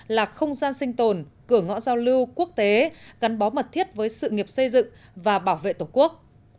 là không gian sinh tồn cửa ngõ giao lưu quốc tế gắn bó mật thiết với sự nghiệp xây dựng và bảo vệ tổ quốc